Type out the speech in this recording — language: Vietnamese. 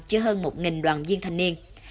cho hơn một đoàn viên thanh niên